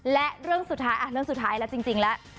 และเรื่องสุดท้ายเรื่องสุดท้ายแล้วจริงแล้ว